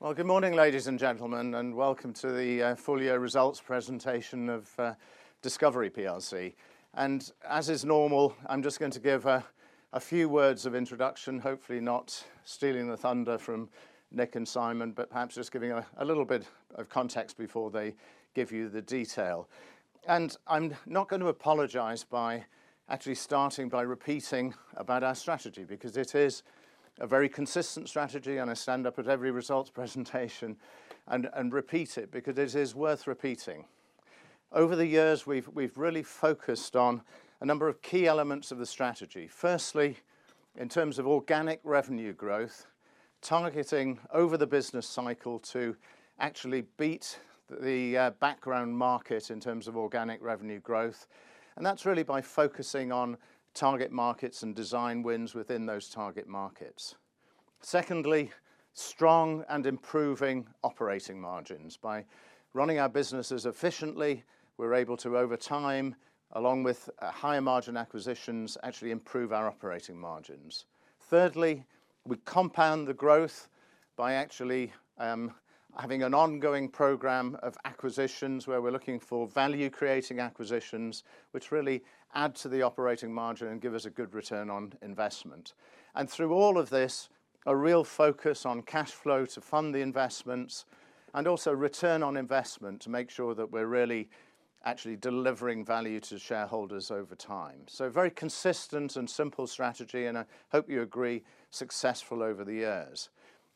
Well, good morning, ladies and gentlemen, and welcome to the full year results presentation of discoverIE Group plc. And as is normal, I'm just going to give a few words of introduction, hopefully not stealing the thunder from Nick and Simon, but perhaps just giving a little bit of context before they give you the detail. And I'm not going to apologize by actually starting by repeating about our strategy, because it is a very consistent strategy, and I stand up at every results presentation and repeat it because it is worth repeating. Over the years, we've really focused on a number of key elements of the strategy. Firstly, in terms of organic revenue growth, targeting over the business cycle to actually beat the background market in terms of organic revenue growth, and that's really by focusing on target markets and design wins within those target markets. Secondly, strong and improving operating margins. By running our businesses efficiently, we're able to, over time, along with higher margin acquisitions, actually improve our operating margins. Thirdly, we compound the growth by actually having an ongoing program of acquisitions, where we're looking for value-creating acquisitions, which really add to the operating margin and give us a good return on investment. And through all of this, a real focus on cash flow to fund the investments and also return on investment, to make sure that we're really actually delivering value to shareholders over time. So a very consistent and simple strategy, and I hope you agree, successful over the years.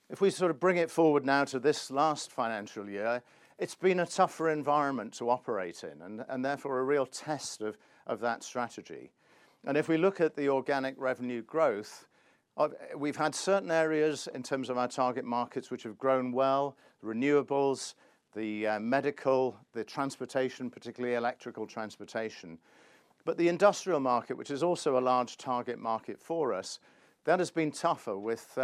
If we sort of bring it forward now to this last financial year, it's been a tougher environment to operate in and, and therefore a real test of, of that strategy. And if we look at the organic revenue growth, we've had certain areas in terms of our target markets, which have grown well: renewables, the medical, the transportation, particularly electrical transportation. But the industrial market, which is also a large target market for us, that has been tougher with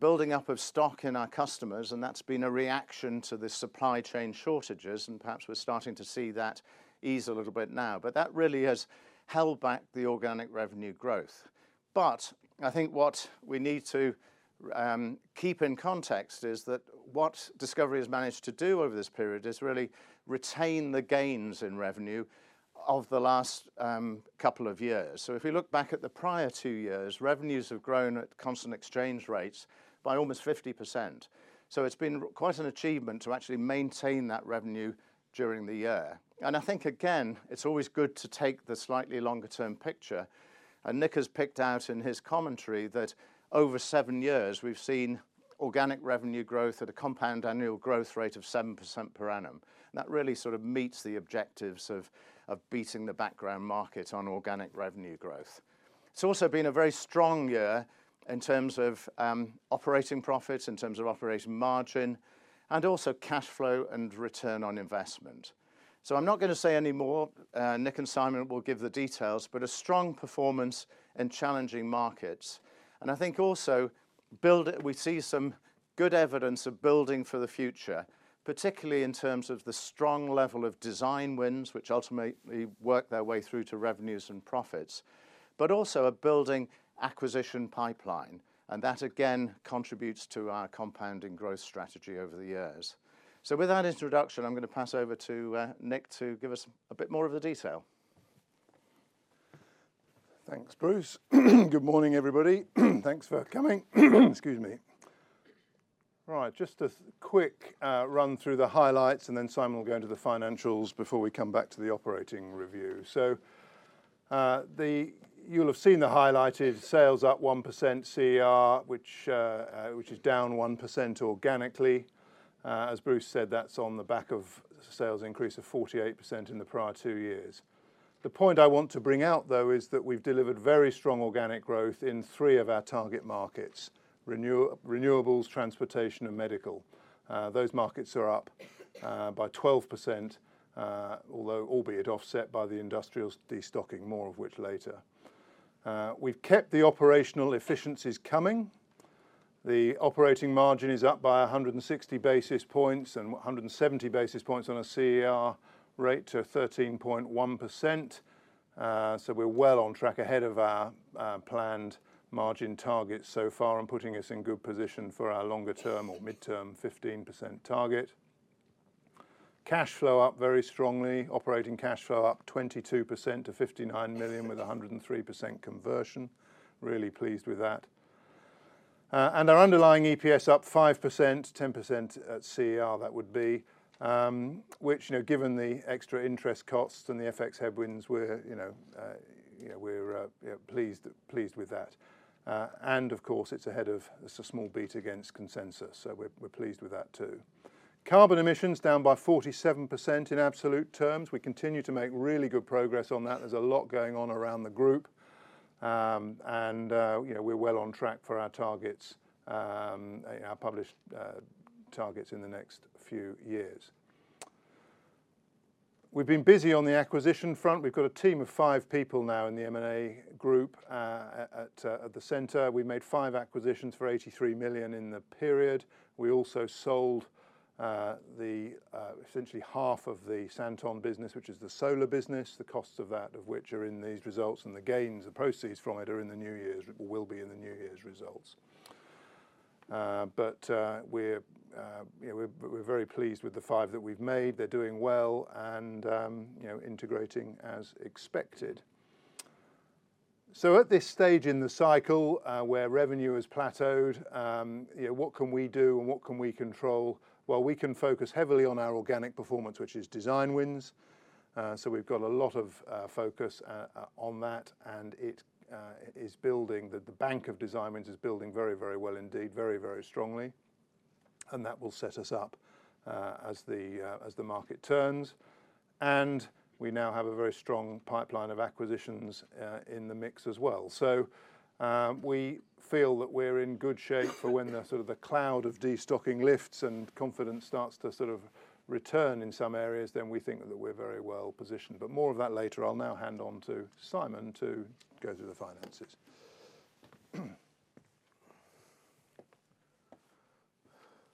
building up of stock in our customers, and that's been a reaction to the supply chain shortages, and perhaps we're starting to see that ease a little bit now. But that really has held back the organic revenue growth. But I think what we need to keep in context is that what discoverIE has managed to do over this period is really retain the gains in revenue of the last couple of years. So if we look back at the prior two years, revenues have grown at constant exchange rates by almost 50%. So it's been quite an achievement to actually maintain that revenue during the year. And I think, again, it's always good to take the slightly longer-term picture. And Nick has picked out in his commentary that over seven years we've seen organic revenue growth at a compound annual growth rate of 7% per annum, and that really sort of meets the objectives of beating the background market on organic revenue growth. It's also been a very strong year in terms of operating profits, in terms of operating margin, and also cash flow and return on investment. So I'm not going to say any more. Nick and Simon will give the details, but a strong performance in challenging markets. And I think also we see some good evidence of building for the future, particularly in terms of the strong level of design wins, which ultimately work their way through to revenues and profits, but also a building acquisition pipeline, and that, again, contributes to our compounding growth strategy over the years. So with that introduction, I'm going to pass over to Nick to give us a bit more of the detail. Thanks, Bruce. Good morning, everybody. Thanks for coming. Excuse me. Right. Just a quick run through the highlights, and then Simon will go into the financials before we come back to the operating review. So, you'll have seen the highlighted sales up 1% CER, which is down 1% organically. As Bruce said, that's on the back of sales increase of 48% in the prior two years. The point I want to bring out, though, is that we've delivered very strong organic growth in three of our target markets: renewables, transportation, and medical. Those markets are up by 12%, although albeit offset by the industrial destocking, more of which later. We've kept the operational efficiencies coming. The operating margin is up by 160 basis points and 170 basis points on a CER rate to 13.1%. So we're well on track ahead of our planned margin targets so far and putting us in good position for our longer-term or mid-term 15% target. Cash flow up very strongly. Operating cash flow up 22% to 59 million with 103% conversion. Really pleased with that. And our underlying EPS up 5%, 10% at CER, that would be, which, you know, given the extra interest costs and the FX headwinds, we're, you know, you know, we're, pleased with that. And of course, it's ahead of... It's a small beat against consensus, so we're pleased with that, too. Carbon emissions down by 47% in absolute terms. We continue to make really good progress on that. There's a lot going on around the group, and, you know, we're well on track for our targets, our published targets in the next few years. We've been busy on the acquisition front. We've got a team of five people now in the M&A group, at the center. We made five acquisitions for 83 million in the period. We also sold essentially half of the Santon business, which is the solar business, the costs of that, of which are in these results, and the gains, the proceeds from it, are in the new year's, will be in the new year's results. But, you know, we're very pleased with the five that we've made. They're doing well, and, you know, integrating as expected. So at this stage in the cycle, where revenue has plateaued, you know, what can we do and what can we control? Well, we can focus heavily on our organic performance, which is design wins. So we've got a lot of focus on that, and it is building, the bank of design wins is building very, very well indeed, very, very strongly, and that will set us up as the market turns. And we now have a very strong pipeline of acquisitions in the mix as well. So, we feel that we're in good shape for when the sort of cloud of destocking lifts and confidence starts to sort of return in some areas, then we think that we're very well positioned. More of that later. I'll now hand over to Simon to go through the finances.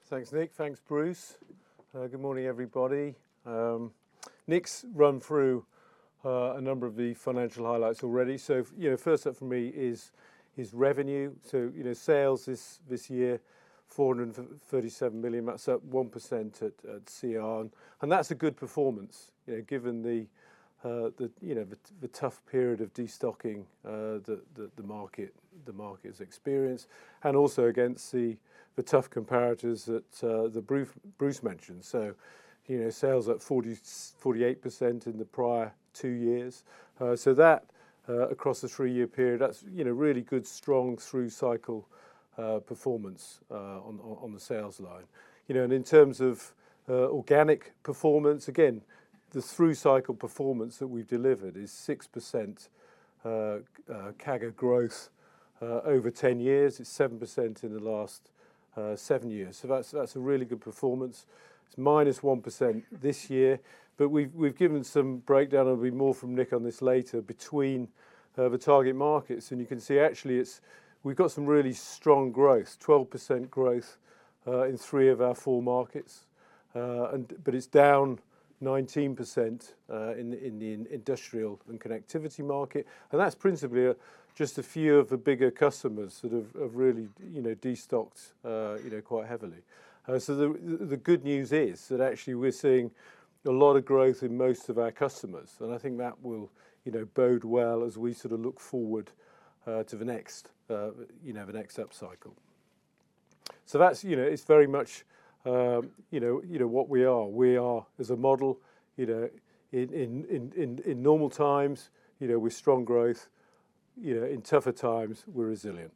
Thanks, Nick. Thanks, Bruce. Good morning, everybody. Nick's run through a number of the financial highlights already. So, you know, first up for me is revenue. So, you know, sales this year, 437 million, that's up 1% at CER, and that's a good performance, you know, given the tough period of destocking the market has experienced, and also against the tough comparators that Bruce mentioned. So, you know, sales up 48% in the prior two years. So that, across the three-year period, that's really good, strong through-cycle performance on the sales line. You know, and in terms of organic performance, again, the through-cycle performance that we've delivered is 6% CAGR growth. Over 10 years, it's 7% in the last seven years. So that's a really good performance. It's -1% this year, but we've given some breakdown. There'll be more from Nick on this later, between the target markets, and you can see actually it's... we've got some really strong growth, 12% growth, in three of our four markets. And but it's down 19% in the industrial and connectivity market, and that's principally just a few of the bigger customers that have really, you know, destocked, you know, quite heavily. So the good news is that actually we're seeing a lot of growth in most of our customers, and I think that will, you know, bode well as we sort of look forward to the next, you know, the next upcycle. So that's, you know, it's very much, you know, you know what we are. We are, as a model, you know, in normal times, you know, we're strong growth. You know, in tougher times, we're resilient.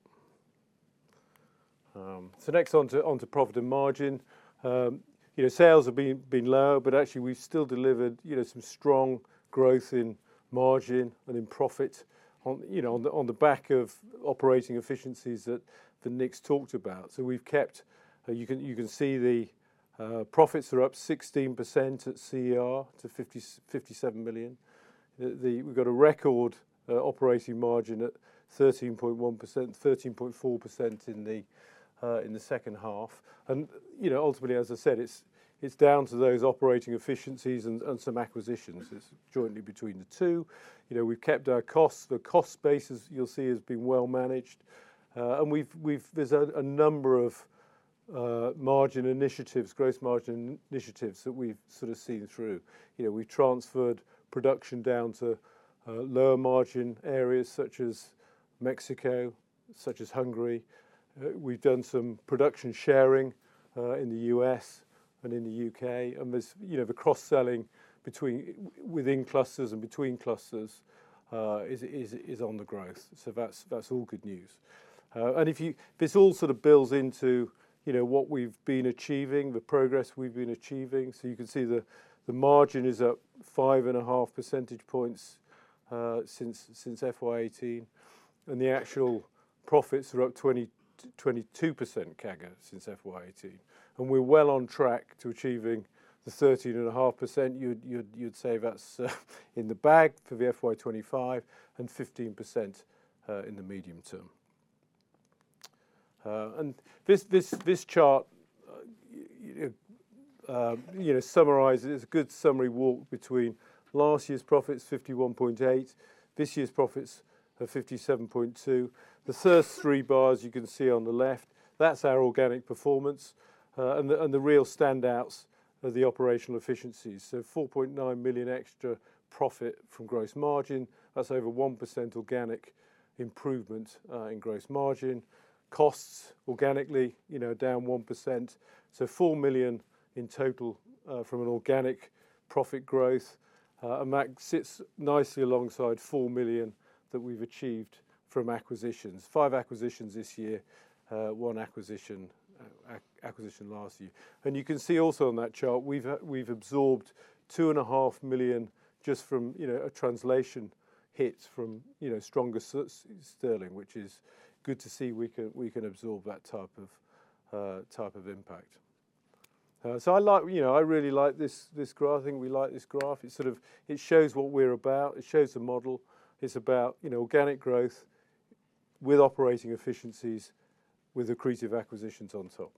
So next, on to profit and margin. You know, sales have been low, but actually we've still delivered, you know, some strong growth in margin and in profit on, you know, on the back of operating efficiencies that Nick's talked about. So we've kept... You can see the profits are up 16% at CER to 57 million. We've got a record operating margin at 13.1%, 13.4% in the second half. You know, ultimately, as I said, it's down to those operating efficiencies and some acquisitions. It's jointly between the two. You know, we've kept our costs. The cost base, as you'll see, has been well managed, and we've. There's a number of margin initiatives, gross margin initiatives that we've sort of seen through. You know, we transferred production down to lower margin areas such as Mexico, such as Hungary. We've done some production sharing in the U.S. and in the U.K., and there's, you know, the cross-selling within clusters and between clusters is on the growth. So that's all good news. And this all sort of builds into, you know, what we've been achieving, the progress we've been achieving. So you can see the margin is up 5.5 percentage points since FY 2018, and the actual profits are up 22% CAGR since FY 2018. And we're well on track to achieving the 13.5%. You'd say that's in the bag for the FY 2025 and 15% in the medium term. And this chart, you know, summarizes a good summary walk between last year's profits, 51.8 million, this year's profits are 57.2 million. The first three bars you can see on the left, that's our organic performance, and the real standouts are the operational efficiencies. So 4.9 million extra profit from gross margin, that's over 1% organic improvement in gross margin. Costs, organically, you know, down 1%, so 4 million in total from an organic profit growth. Amount sits nicely alongside 4 million that we've achieved from acquisitions. Five acquisitions this year, one acquisition last year. You can see also on that chart, we've absorbed 2.5 million just from, you know, a translation hit from, you know, stronger sterling, which is good to see we can, we can absorb that type of, type of impact. So I like, you know, I really like this, this graph. I think we like this graph. It sort of, it shows what we're about, it shows the model. It's about, you know, organic growth with operating efficiencies, with accretive acquisitions on top.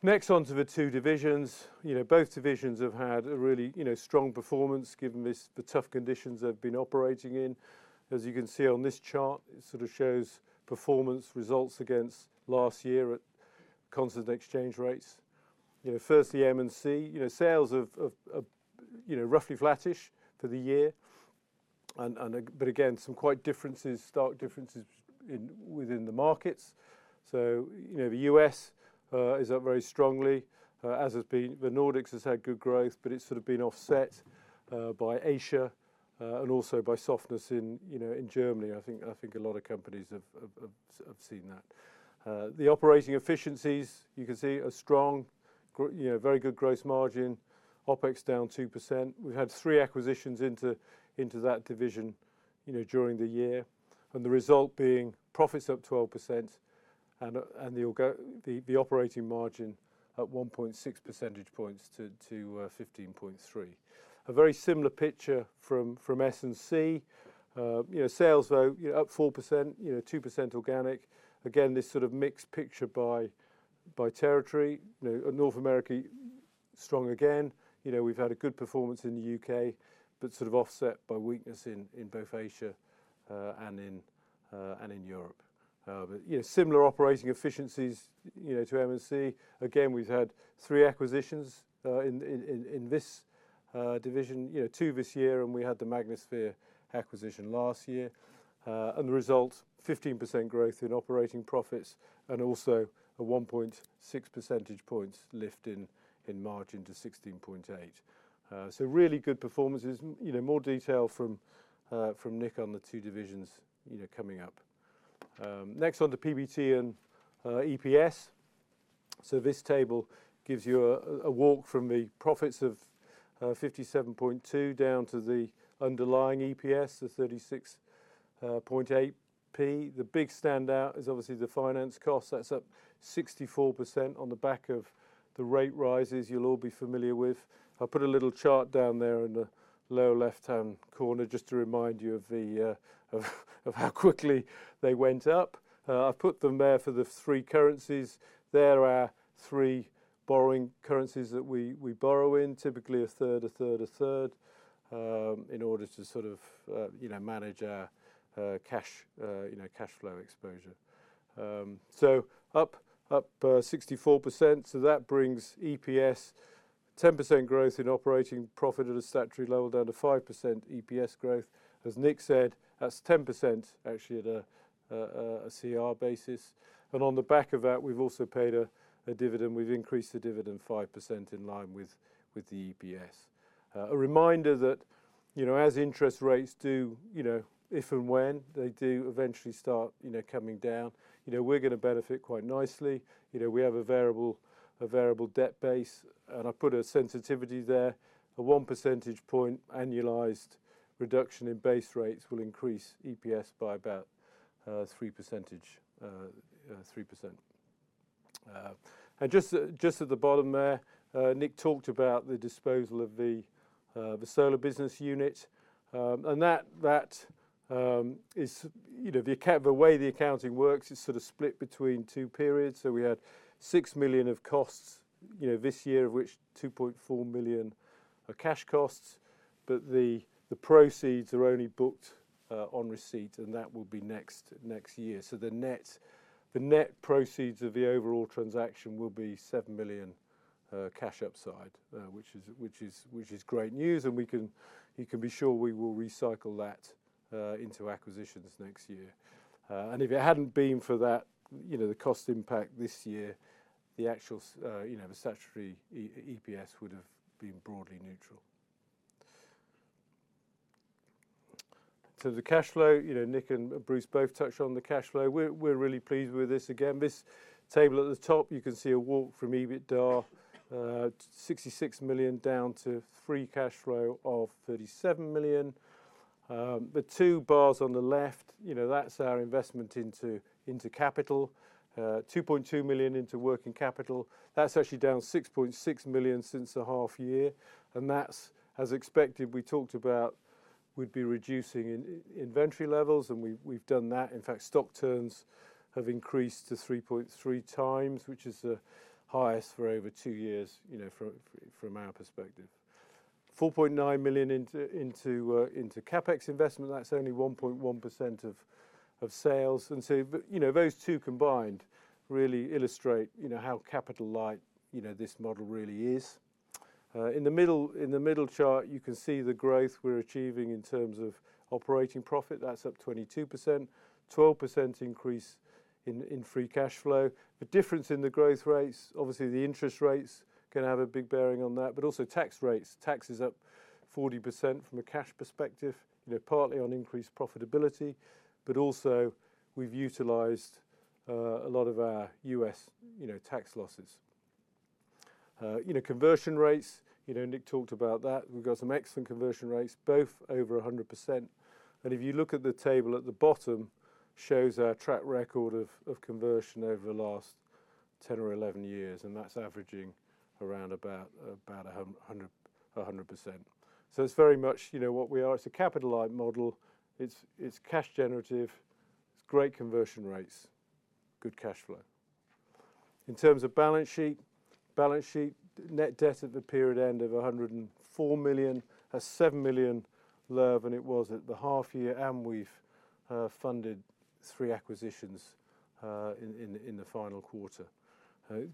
Next, on to the two divisions. You know, both divisions have had a really, you know, strong performance, given this, the tough conditions they've been operating in. As you can see on this chart, it sort of shows performance results against last year at constant exchange rates. You know, first the M&C, you know, sales of you know, roughly flattish for the year, and but again, some quite differences, stark differences in within the markets. So, you know, the U.S. is up very strongly, as has been the Nordics has had good growth, but it's sort of been offset by Asia and also by softness in you know, in Germany. I think a lot of companies have seen that. The operating efficiencies, you can see, are strong. You know, very good growth margin. OpEx down 2%. We've had three acquisitions into that division, you know, during the year, and the result being profits up 12%, and the operating margin up 1.6 percentage points to 15.3. A very similar picture from S&C. You know, sales up 4%, you know, 2% organic. Again, this sort of mixed picture by territory. You know, North America, strong again. You know, we've had a good performance in the UK, but sort of offset by weakness in both Asia and in Europe. But yeah, similar operating efficiencies, you know, to M&C. Again, we've had three acquisitions in this division. You know, two this year, and we had the Magnasphere acquisition last year. And the result, 15% growth in operating profits, and also a 1.6 percentage points lift in margin to 16.8. So really good performances. You know, more detail from Nick on the two divisions, you know, coming up. Next on to PBT and EPS. So this table gives you a walk from the profits of 57.2, down to the underlying EPS of 36.8p. The big standout is obviously the finance cost. That's up 64% on the back of the rate rises you'll all be familiar with. I've put a little chart down there in the lower left-hand corner, just to remind you of how quickly they went up. I've put them there for the three currencies. There are our three borrowing currencies that we borrow in, typically a third, a third, a third, in order to sort of, you know, manage our cash, you know, cash flow exposure. So up 64%, so that brings EPS 10% growth in operating profit at a statutory level, down to 5% EPS growth. As Nick said, that's 10% actually at a CER basis, and on the back of that, we've also paid a dividend. We've increased the dividend 5% in line with the EPS. A reminder that, you know, as interest rates do, you know, if and when they do eventually start, you know, coming down, you know, we're gonna benefit quite nicely. You know, we have a variable debt base, and I've put a sensitivity there. A 1 percentage point annualized reduction in base rates will increase EPS by about 3%. And just at the bottom there, Nick talked about the disposal of the solar business unit, and that is... You know, the way the accounting works, it's sort of split between two periods. So we had 6 million of costs, you know, this year, of which 2.4 million are cash costs, but the proceeds are only booked on receipt, and that will be next year. So the net proceeds of the overall transaction will be 7 million cash upside, which is great news, and you can be sure we will recycle that into acquisitions next year. And if it hadn't been for that, you know, the cost impact this year, the actual statutory EPS would have been broadly neutral. So the cash flow, you know, Nick and Bruce both touched on the cash flow. We're, we're really pleased with this. Again, this table at the top, you can see a walk from EBITDA, 66 million, down to free cash flow of 37 million. The two bars on the left, you know, that's our investment into, into capital. 2.2 million into working capital. That's actually down 6.6 million since the half year, and that's as expected. We talked about we'd be reducing inventory levels, and we've, we've done that. In fact, stock turns have increased to 3.3x, which is the highest for over two years, you know, from our perspective. 4.9 million into CapEx investment, that's only 1.1% of sales, and so, you know, those two combined really illustrate, you know, how capital-light, you know, this model really is. In the middle chart, you can see the growth we're achieving in terms of operating profit. That's up 22%. 12% increase in free cash flow. The difference in the growth rates, obviously, the interest rates can have a big bearing on that, but also tax rates. Tax is up 40% from a cash perspective, you know, partly on increased profitability, but also, we've utilized a lot of our U.S. tax losses. You know, conversion rates, you know, Nick talked about that. We've got some excellent conversion rates, both over 100%, and if you look at the table at the bottom, shows our track record of conversion over the last 10 or 11 years, and that's averaging around about 100%. So it's very much, you know, what we are, it's a capital light model. It's cash generative, it's great conversion rates, good cash flow. In terms of balance sheet, balance sheet, net debt at the period end of 104 million, 7 million lower than it was at the half year, and we've funded three acquisitions in the final quarter.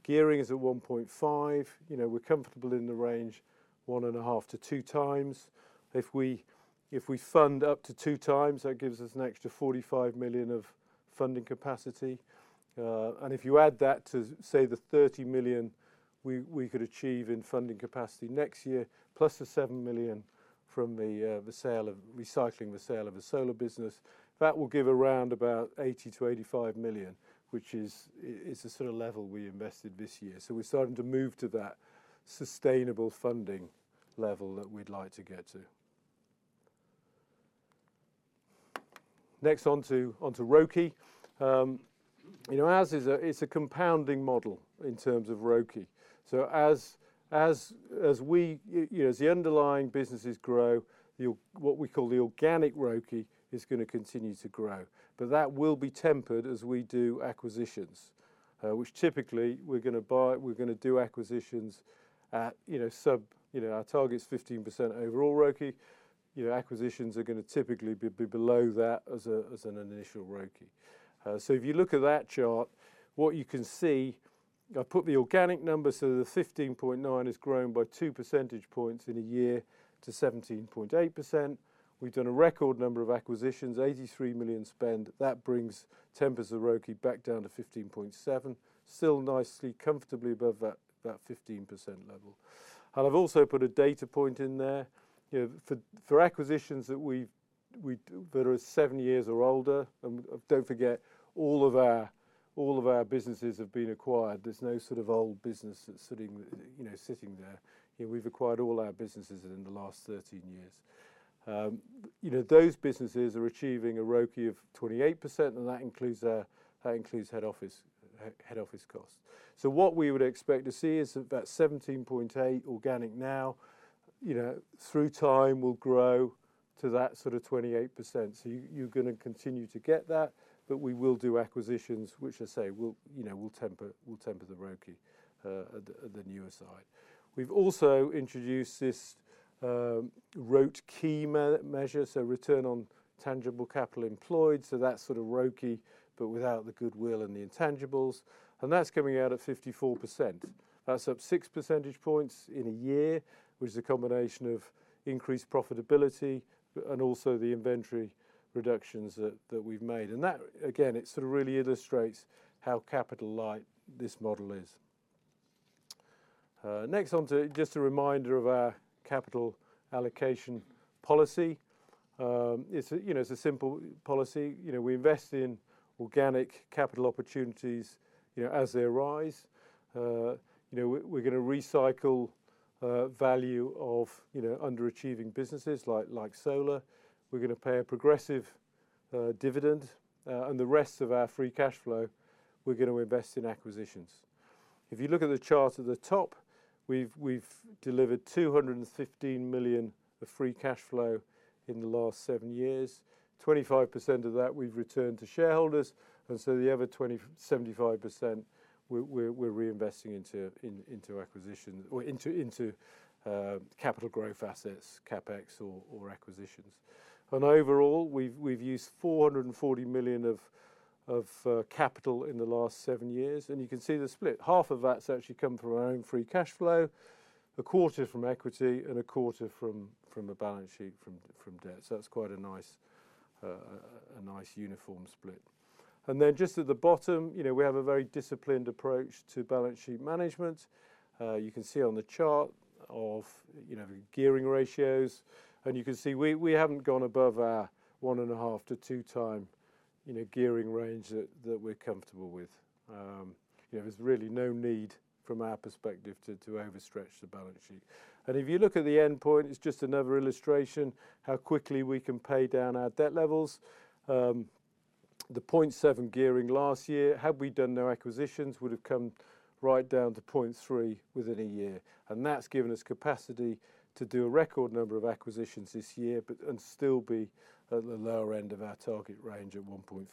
Gearing is at 1.5. You know, we're comfortable in the range 1.5-2x. If we fund up to 2x, that gives us an extra 45 million of funding capacity. And if you add that to, say, the 30 million we could achieve in funding capacity next year, plus the 7 million from the sale of recycling the sale of the solar business, that will give around about 80 million-85 million, which is, it's the sort of level we invested this year. So we're starting to move to that sustainable funding level that we'd like to get to. Next, on to ROCE. You know, as is, it's a compounding model in terms of ROCE. So as we, you know, as the underlying businesses grow, what we call the organic ROCE is gonna continue to grow, but that will be tempered as we do acquisitions. which typically we're gonna buy, we're gonna do acquisitions at, you know, sub- you know, our target is 15% overall ROCE. You know, acquisitions are gonna typically be, be below that as a, as an initial ROCE. So if you look at that chart, what you can see, I've put the organic number, so the 15.9% has grown by two percentage points in a year to 17.8%. We've done a record number of acquisitions, 83 million spend. That brings, tempers the ROCE back down to 15.7. Still nicely comfortably above that, that 15% level. And I've also put a data point in there. You know, for acquisitions that we do, that are seven years or older, and don't forget, all of our businesses have been acquired. There's no sort of old business that's sitting, you know, sitting there. You know, we've acquired all our businesses in the last 13 years. Those businesses are achieving a ROCE of 28%, and that includes, that includes head office costs. So what we would expect to see is that 17.8 organic now, you know, through time will grow to that sort of 28%. So you, you're gonna continue to get that, but we will do acquisitions, which I say will, you know, will temper, will temper the ROCE at the newer side. We've also introduced this ROTE measure, so return on tangible capital employed, so that's sort of ROCE, but without the goodwill and the intangibles, and that's coming out at 54%. That's up six percentage points in a year, which is a combination of increased profitability and also the inventory reductions that we've made. And that, again, it sort of really illustrates how capital light this model is. Next on to just a reminder of our capital allocation policy. It's a, you know, it's a simple policy. You know, we invest in organic capital opportunities, you know, as they arise. You know, we're gonna recycle value of, you know, underachieving businesses like solar. We're gonna pay a progressive dividend, and the rest of our free cash flow, we're gonna invest in acquisitions. If you look at the chart at the top, we've delivered 215 million of free cash flow in the last seven years. 25% of that we've returned to shareholders, and so the other 75%, we're, we're, we're reinvesting into, in, into, capital growth assets, CapEx or, or acquisitions. And overall, we've, we've used 440 million of capital in the last seven years, and you can see the split. Half of that's actually come from our own free cash flow, a quarter from equity, and a quarter from, from a balance sheet from, from debt. So that's quite a nice, a nice uniform split. And then just at the bottom, you know, we have a very disciplined approach to balance sheet management. You can see on the chart of, you know, gearing ratios, and you can see we, we haven't gone above our 1.5-2x, you know, gearing range that, that we're comfortable with. You know, there's really no need from our perspective to, to overstretch the balance sheet. And if you look at the endpoint, it's just another illustration how quickly we can pay down our debt levels. The 0.7 gearing last year, had we done no acquisitions, would have come right down to 0.3 within a year. And that's given us capacity to do a record number of acquisitions this year, but, and still be at the lower end of our target range of 1.5.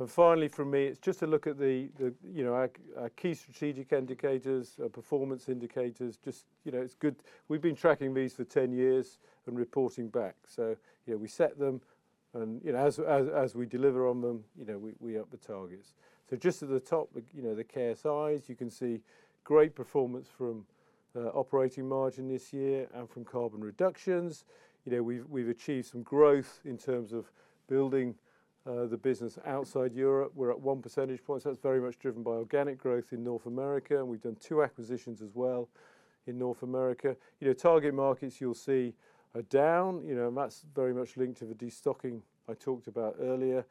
And finally, from me, it's just a look at the, the, you know, our, our key strategic indicators, our performance indicators. Just, you know, it's good. We've been tracking these for 10 years and reporting back. So, you know, we set them, and, you know, as we deliver on them, you know, we up the targets. So just at the top, you know, the KSIs, you can see great performance from operating margin this year and from carbon reductions. You know, we've achieved some growth in terms of building the business outside Europe. We're at one percentage point, so it's very much driven by organic growth in North America, and we've done two acquisitions as well in North America. You know, target markets you'll see are down, you know, and that's very much linked to the destocking I talked about earlier.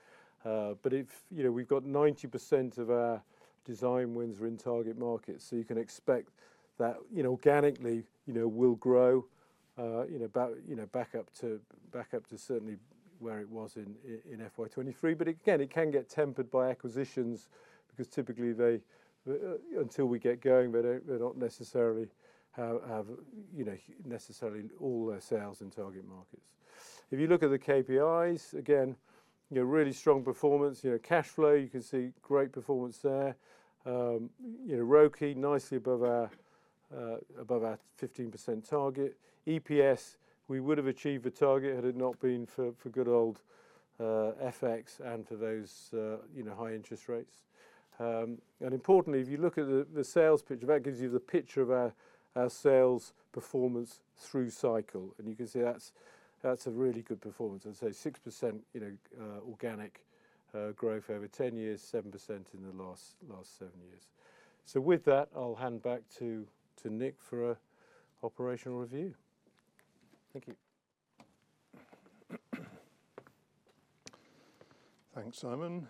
But if, you know, we've got 90% of our design wins are in target markets, so you can expect that, you know, organically, you know, we'll grow, you know, back, you know, back up to, back up to certainly where it was in, in FY 2023. But again, it can get tempered by acquisitions, because typically they, until we get going, they're not, they're not necessarily have, have, you know, necessarily all their sales in target markets. If you look at the KPIs, again, you know, really strong performance. You know, cash flow, you can see great performance there. You know, ROCE nicely above our, above our 15% target. EPS, we would have achieved the target had it not been for, for good old, FX and for those, you know, high interest rates. And importantly, if you look at the sales picture, that gives you the picture of our sales performance through cycle, and you can see that's a really good performance. I'd say 6%, you know, organic growth over 10 years, 7% in the last seven years. So with that, I'll hand back to Nick for a operational review. Thank you. Thanks, Simon.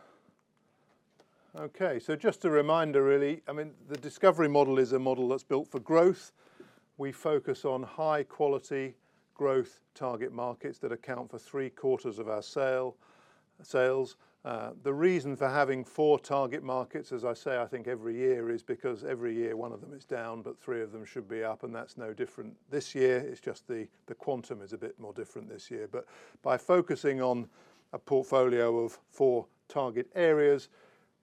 Okay, so just a reminder, really. I mean, the discoverIE model is a model that's built for growth. We focus on high-quality growth target markets that account for three-quarters of our sales. The reason for having four target markets, as I say, I think every year, is because every year one of them is down, but three of them should be up, and that's no different this year. It's just the quantum is a bit more different this year. But by focusing on a portfolio of four target areas,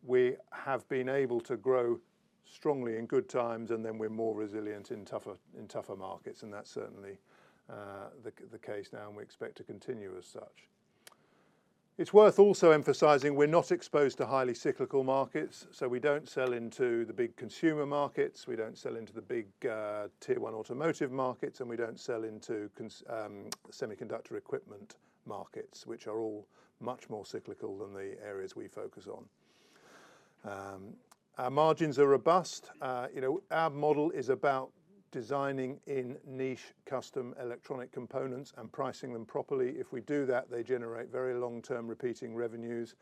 we have been able to grow strongly in good times, and then we're more resilient in tougher markets, and that's certainly the case now, and we expect to continue as such. It's worth also emphasizing we're not exposed to highly cyclical markets, so we don't sell into the big consumer markets, we don't sell into the big, tier one automotive markets, and we don't sell into semiconductor equipment markets, which are all much more cyclical than the areas we focus on. Our margins are robust. You know, our model is about designing in niche custom electronic components and pricing them properly. If we do that, they generate very long-term repeating revenues,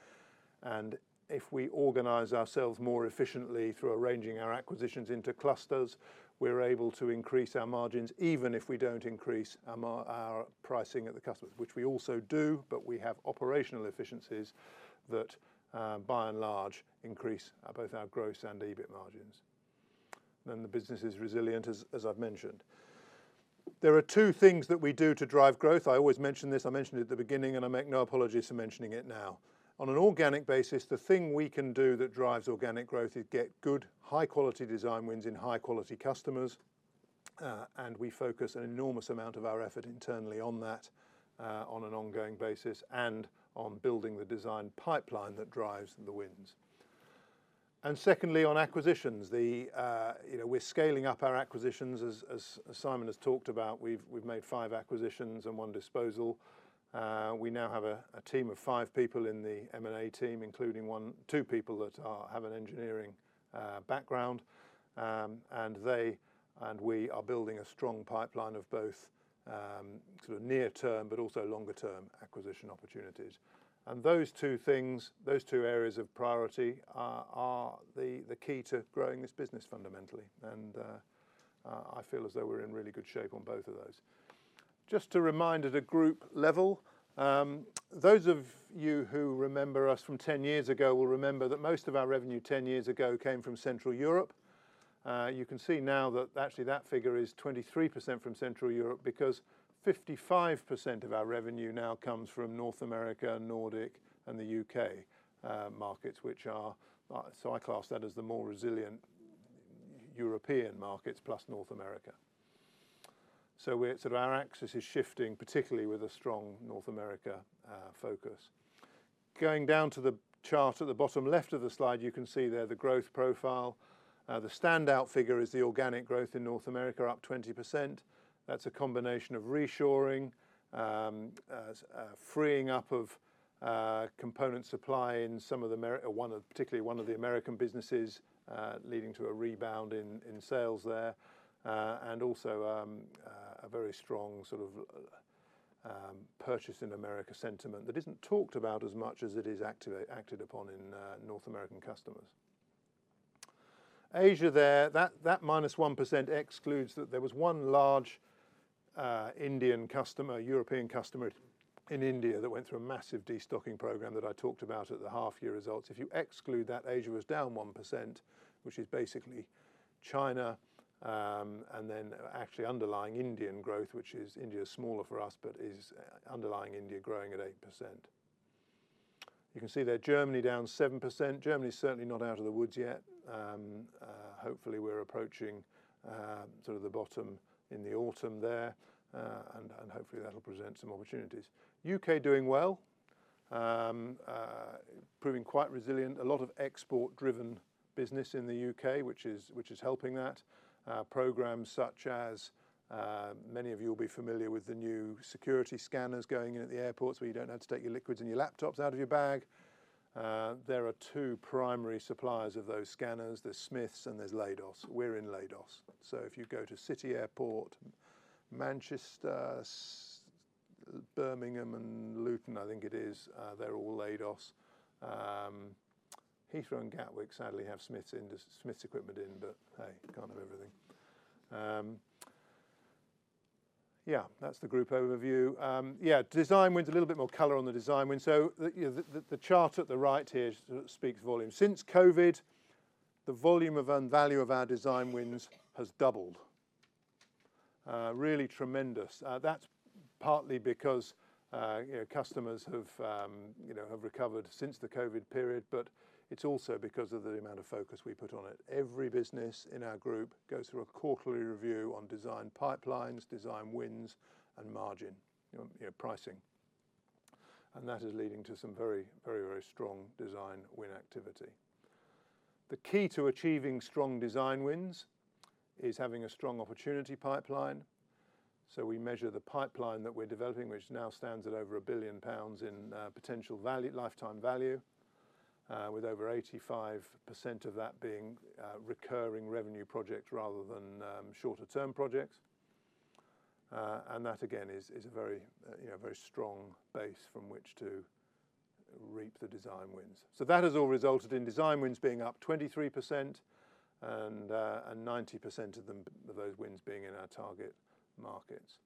and if we organize ourselves more efficiently through arranging our acquisitions into clusters, we're able to increase our margins, even if we don't increase our pricing at the customer, which we also do, but we have operational efficiencies that, by and large, increase both our gross and EBIT margins. Then the business is resilient, as I've mentioned. There are two things that we do to drive growth. I always mention this. I mentioned at the beginning, and I make no apologies for mentioning it now. On an organic basis, the thing we can do that drives organic growth is get good, high-quality design wins in high-quality customers, and we focus an enormous amount of our effort internally on that, on an ongoing basis and on building the design pipeline that drives the wins. And secondly, on acquisitions, you know, we're scaling up our acquisitions. As Simon has talked about, we've made five acquisitions and one disposal. We now have a team of five people in the M&A team, including one... two people that have an engineering background. We are building a strong pipeline of both, sort of near term, but also longer-term acquisition opportunities. And those two things, those two areas of priority, are the key to growing this business fundamentally. And I feel as though we're in really good shape on both of those. Just a reminder at a group level, those of you who remember us from 10 years ago will remember that most of our revenue 10 years ago came from Central Europe. You can see now that actually that figure is 23% from Central Europe, because 55% of our revenue now comes from North America, Nordic, and the UK markets, which, so I class that as the more resilient European markets, plus North America. So we're sort of our axis is shifting, particularly with a strong North America focus. Going down to the chart at the bottom left of the slide, you can see there the growth profile. The standout figure is the organic growth in North America, up 20%. That's a combination of reshoring, freeing up of component supply in some of the, particularly one of the American businesses, leading to a rebound in sales there. And also, a very strong sort of Buy America sentiment that isn't talked about as much as it is acted upon in North American customers. Asia there, minus 1% excludes that there was one large Indian customer, European customer in India, that went through a massive destocking program that I talked about at the half-year results. If you exclude that, Asia was down 1%, which is basically China, and then actually underlying Indian growth, which is India is smaller for us, but is underlying India growing at 8%. You can see there, Germany down 7%. Germany is certainly not out of the woods yet. Hopefully, we're approaching sort of the bottom in the autumn there, and hopefully, that'll present some opportunities. UK doing well, proving quite resilient. A lot of export-driven business in the UK, which is helping that. Programs such as, many of you will be familiar with the new security scanners going in at the airports, where you don't have to take your liquids and your laptops out of your bag. There are two primary suppliers of those scanners. There's Smiths and there's Leidos. We're in Leidos. So if you go to London City Airport, Manchester Airport, Birmingham Airport, and Luton Airport, I think it is, they're all Leidos. Heathrow Airport and Gatwick Airport sadly have Smiths in the, Smiths equipment in, but hey, you can't have everything. Yeah, that's the group overview. Yeah, design wins, a little bit more color on the design wins. So the chart at the right here sort of speaks volumes. Since COVID, the volume of and value of our design wins has doubled. Really tremendous. That's partly because, you know, customers have, you know, have recovered since the COVID period, but it's also because of the amount of focus we put on it. Every business in our group goes through a quarterly review on design pipelines, design wins, and margin, you know, pricing, and that is leading to some very, very, very strong design win activity. The key to achieving strong design wins is having a strong opportunity pipeline. So we measure the pipeline that we're developing, which now stands at over 1 billion pounds in potential value, lifetime value, with over 85% of that being recurring revenue projects rather than shorter-term projects. And that, again, is a very, you know, very strong base from which to reap the design wins. So that has all resulted in design wins being up 23% and 90% of them, of those wins being in our target markets.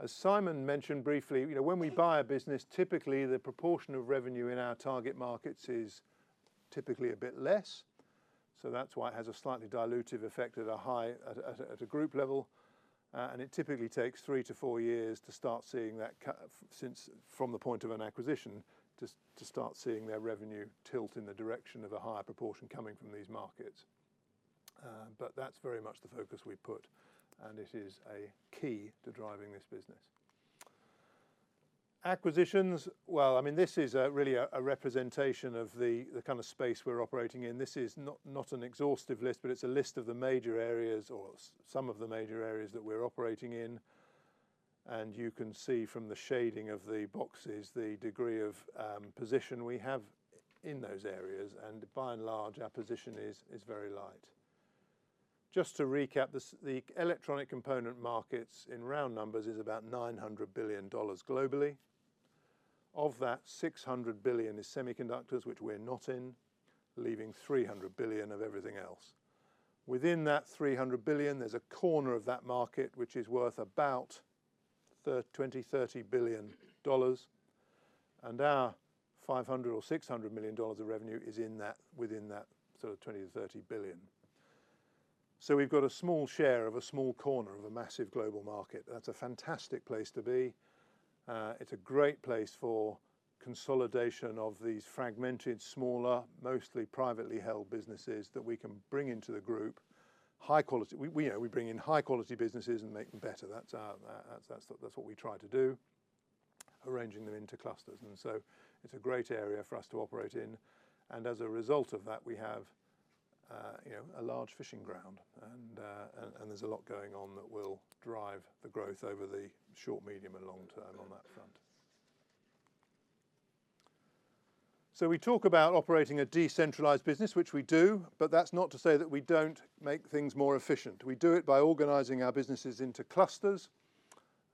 As Simon mentioned briefly, you know, when we buy a business, typically, the proportion of revenue in our target markets is typically a bit less. So that's why it has a slightly dilutive effect at a group level. And it typically takes three-four years to start seeing that, from the point of an acquisition, to start seeing their revenue tilt in the direction of a higher proportion coming from these markets. But that's very much the focus we put, and it is a key to driving this business. Acquisitions, well, I mean, this is really a representation of the kind of space we're operating in. This is not an exhaustive list, but it's a list of the major areas or some of the major areas that we're operating in. You can see from the shading of the boxes, the degree of position we have in those areas, and by and large, our position is very light. Just to recap, the electronic component markets, in round numbers, is about $900 billion globally. Of that, $600 billion is semiconductors, which we're not in, leaving $300 billion of everything else. Within that $300 billion, there's a corner of that market which is worth about $20-$30 billion, and our $500-$600 million of revenue is in that, within that sort of $20-$30 billion. So we've got a small share of a small corner of a massive global market. That's a fantastic place to be. It's a great place for consolidation of these fragmented, smaller, mostly privately held businesses that we can bring into the group. High quality. We, you know, we bring in high-quality businesses and make them better. That's our, that's what we try to do, arranging them into clusters, and so it's a great area for us to operate in. And as a result of that, we have, you know, a large fishing ground, and there's a lot going on that will drive the growth over the short, medium, and long term on that front. So we talk about operating a decentralized business, which we do, but that's not to say that we don't make things more efficient. We do it by organizing our businesses into clusters,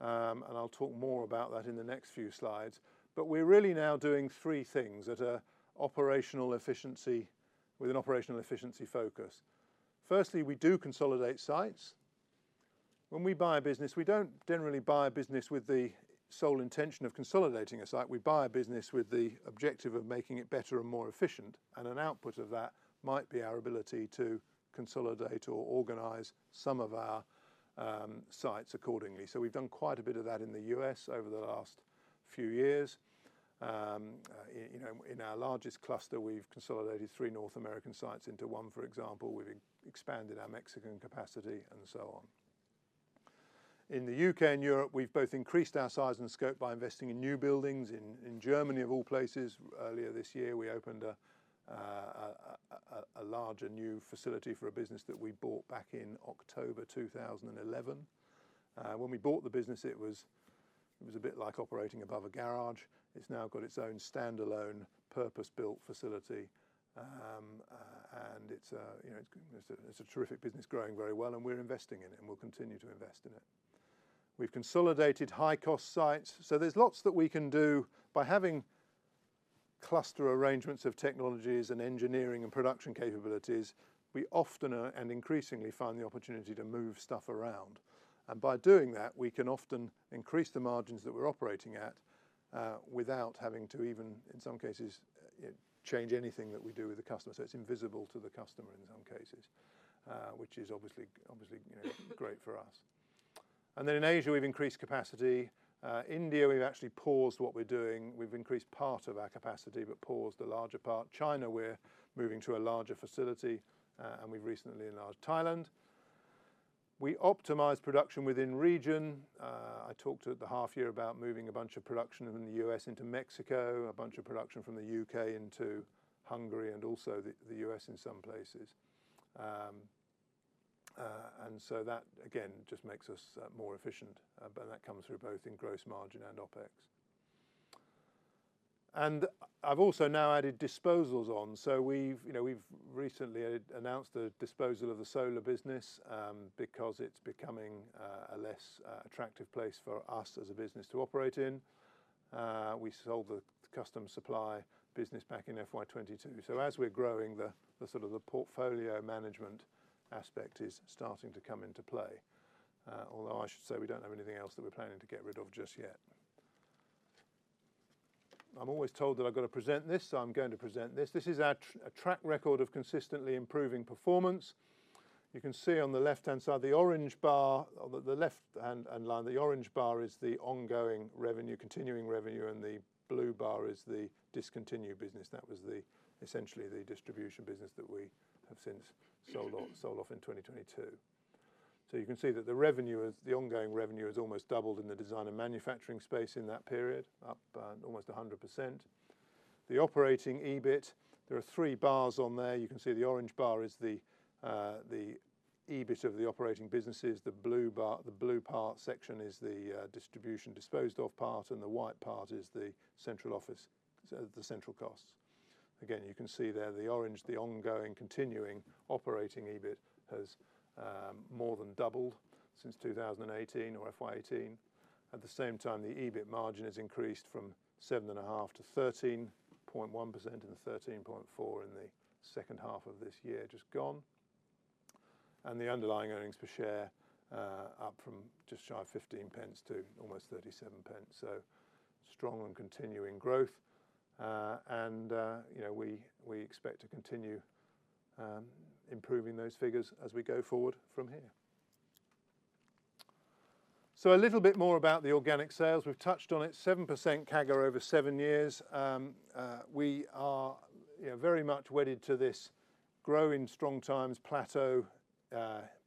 and I'll talk more about that in the next few slides. But we're really now doing three things at a operational efficiency, with an operational efficiency focus. Firstly, we do consolidate sites. When we buy a business, we don't generally buy a business with the sole intention of consolidating a site. We buy a business with the objective of making it better and more efficient, and an output of that might be our ability to consolidate or organize some of our sites accordingly. So we've done quite a bit of that in the U.S. over the last few years. You know, in our largest cluster, we've consolidated three North American sites into one, for example. We've expanded our Mexican capacity, and so on. In the U.K. and Europe, we've both increased our size and scope by investing in new buildings. In Germany, of all places, earlier this year, we opened a larger, new facility for a business that we bought back in October 2011. When we bought the business, it was a bit like operating above a garage. It's now got its own standalone, purpose-built facility, and it's, you know, a terrific business, growing very well, and we're investing in it, and we'll continue to invest in it. We've consolidated high-cost sites, so there's lots that we can do. By having cluster arrangements of technologies and engineering and production capabilities, we often and increasingly find the opportunity to move stuff around. And by doing that, we can often increase the margins that we're operating at, without having to even, in some cases, change anything that we do with the customer. So it's invisible to the customer in some cases, which is obviously, obviously, you know, great for us. And then in Asia, we've increased capacity. India, we've actually paused what we're doing. We've increased part of our capacity, but paused the larger part. China, we're moving to a larger facility, and we've recently enlarged Thailand. We optimized production within region. I talked at the half year about moving a bunch of production in the US into Mexico, a bunch of production from the UK into Hungary, and also the US in some places. and so that, again, just makes us more efficient, but that comes through both in gross margin and OpEx. And I've also now added disposals on. So we've, you know, we've recently announced the disposal of the solar business, because it's becoming a less attractive place for us as a business to operate in. We sold the Custom Supply business back in FY 2022. So as we're growing, the sort of portfolio management aspect is starting to come into play. Although I should say, we don't have anything else that we're planning to get rid of just yet. I'm always told that I've got to present this, so I'm going to present this. This is our track record of consistently improving performance. You can see on the left-hand side, the orange bar, on the left-hand line, the orange bar is the ongoing revenue, continuing revenue, and the blue bar is the discontinued business. That was essentially the distribution business that we have since sold off, sold off in 2022. So you can see that the revenue is, the ongoing revenue has almost doubled in the design and manufacturing space in that period, up by almost 100%. The operating EBIT, there are three bars on there. You can see the orange bar is the EBIT of the operating businesses. The blue bar, the blue part section is the distribution disposed of part, and the white part is the central office, so the central costs. Again, you can see there, the orange, the ongoing, continuing operating EBIT has more than doubled since 2018 or FY 2018. At the same time, the EBIT margin has increased from 7.5% to 13.1% and 13.4% in the second half of this year, just gone. And the underlying earnings per share up from just shy of 15 pence to almost 37 pence. So strong and continuing growth. And, you know, we expect to continue improving those figures as we go forward from here. So a little bit more about the organic sales. We've touched on it, 7% CAGR over seven years. We are, yeah, very much wedded to this grow in strong times, plateau,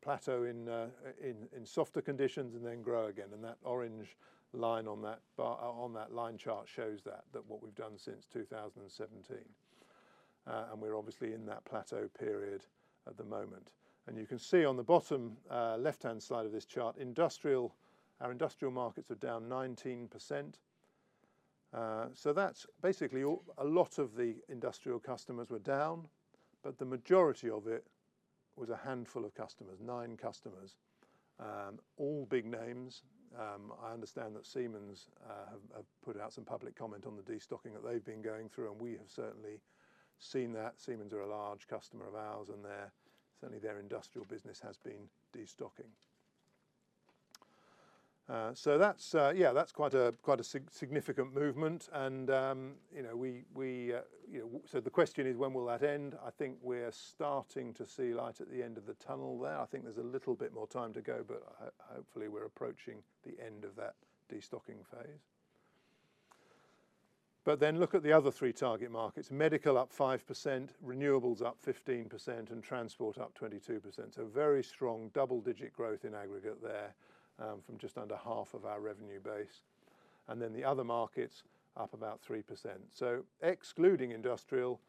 plateau in softer conditions, and then grow again. That orange line on that bar, on that line chart shows that what we've done since 2017. We're obviously in that plateau period at the moment. You can see on the bottom, left-hand side of this chart, industrial—our industrial markets are down 19%. So that's basically all. A lot of the industrial customers were down, but the majority of it was a handful of customers, nine customers, all big names. I understand that Siemens have put out some public comment on the destocking that they've been going through, and we have certainly seen that. Siemens are a large customer of ours, and their, certainly their industrial business has been destocking. So that's yeah, that's quite a, quite a significant movement, and, you know, we, we, you know... So the question is, when will that end? I think we're starting to see light at the end of the tunnel there. I think there's a little bit more time to go, but hopefully, we're approaching the end of that destocking phase. But then look at the other three target markets: medical up 5%, renewables up 15%, and transport up 22%. So very strong double-digit growth in aggregate there, from just under half of our revenue base, and then the other markets up about 3%. So excluding industrial,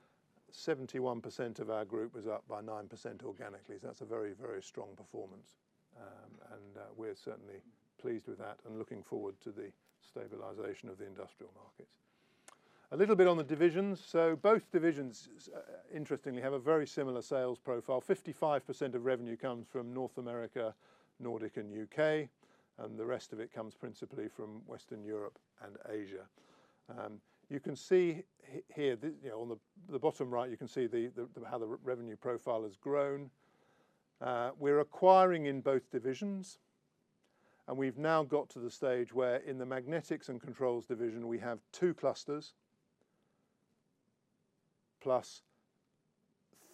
71% of our group was up by 9% organically. So that's a very, very strong performance, and we're certainly pleased with that and looking forward to the stabilization of the industrial markets. A little bit on the divisions. So both divisions, interestingly, have a very similar sales profile. 55% of revenue comes from North America, Nordics, and UK, and the rest of it comes principally from Western Europe and Asia. You can see here, you know, on the bottom right, you can see the how the revenue profile has grown. We're acquiring in both divisions, and we've now got to the stage where in the Magnetics and Controls division, we have two clusters, plus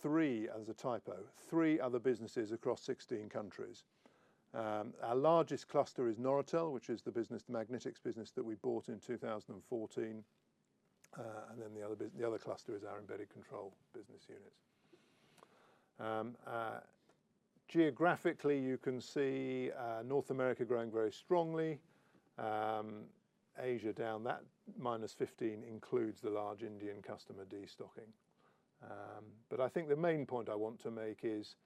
three, as a typo, three other businesses across 16 countries. Our largest cluster is Noratel, which is the business, the magnetics business that we bought in 2014. And then the other business, the other cluster is our embedded control business unit. Geographically, you can see North America growing very strongly, Asia down. That -15% includes the large Indian customer destocking. But I think the main point I want to make is,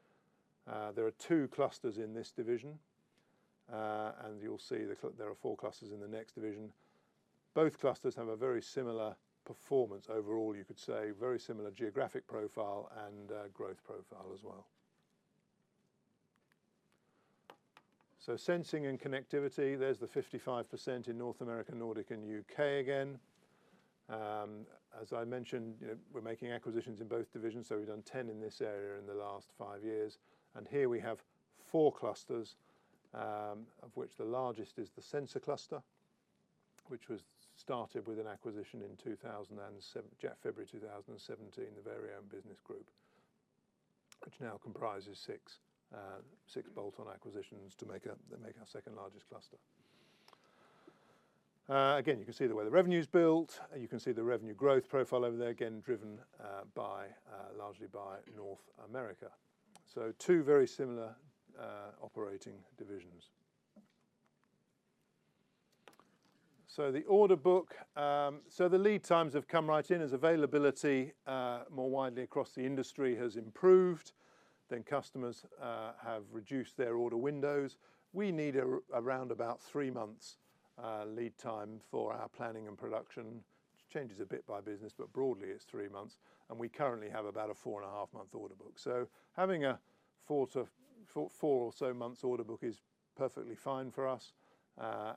there are two clusters in this division, and you'll see that there are four clusters in the next division. Both clusters have a very similar performance overall, you could say, very similar geographic profile and, growth profile as well. So sensing and connectivity, there's the 55% in North America, Nordics, and UK again. As I mentioned, you know, we're making acquisitions in both divisions, so we've done 10 in this area in the last five years. And here we have four clusters, of which the largest is the sensor cluster, which was started with an acquisition in February 2017, the Variohm EuroSensor, which now comprises six, six bolt-on acquisitions to make up, that make our second-largest cluster. Again, you can see the way the revenue's built, and you can see the revenue growth profile over there, again, driven largely by North America. So two very similar operating divisions. So the order book, so the lead times have come right in. As availability more widely across the industry has improved, then customers have reduced their order windows. We need around about three months lead time for our planning and production, which changes a bit by business, but broadly, it's three months, and we currently have about a 4.5-month order book. So having a four to four or so months order book is perfectly fine for us,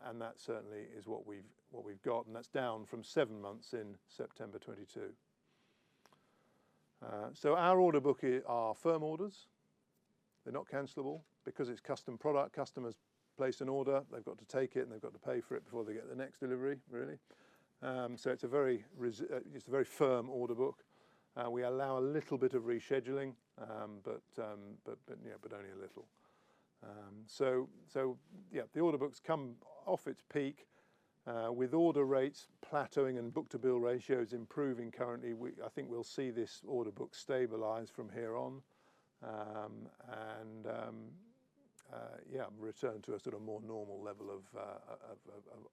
and that certainly is what we've, what we've got, and that's down from seven months in September 2022. So our order book are firm orders. They're not cancelable because it's custom product. Customers place an order, they've got to take it, and they've got to pay for it before they get the next delivery, really. So it's a very firm order book. We allow a little bit of rescheduling, but only a little. So, yeah, the order book's come off its peak, with order rates plateauing and book-to-bill ratios improving currently. I think we'll see this order book stabilize from here on, and, yeah, return to a sort of more normal level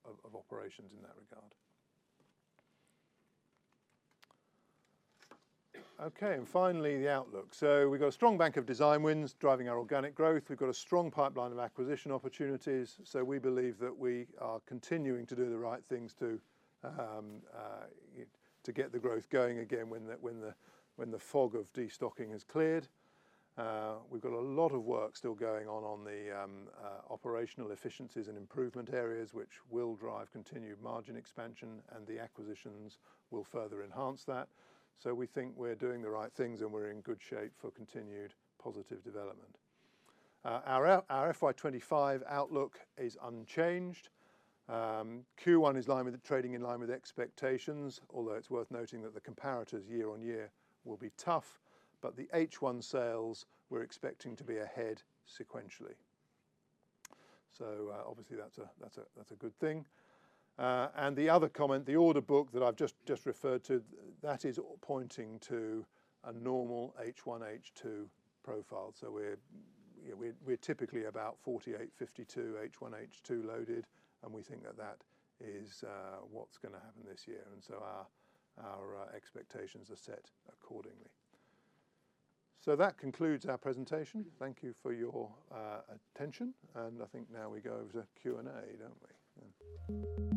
of operations in that regard. Okay, and finally, the outlook. So we've got a strong bank of design wins driving our organic growth. We've got a strong pipeline of acquisition opportunities, so we believe that we are continuing to do the right things to get the growth going again when the fog of destocking has cleared. We've got a lot of work still going on the operational efficiencies and improvement areas, which will drive continued margin expansion, and the acquisitions will further enhance that. So we think we're doing the right things, and we're in good shape for continued positive development. Our FY 2025 outlook is unchanged. Q1 is in line with expectations, trading in line with expectations, although it's worth noting that the comparatives year-on-year will be tough. But the H1 sales we're expecting to be ahead sequentially. So, obviously, that's a good thing. And the other comment, the order book that I've just referred to, that is pointing to a normal H1, H2 profile. So we're, you know, we're typically about 48, 52, H1, H2 loaded, and we think that that is what's gonna happen this year, and so our expectations are set accordingly. So that concludes our presentation. Thank you for your attention, and I think now we go over to Q&A, don't we? Yeah.